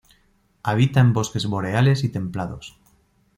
Habita en bosques boreales y templados.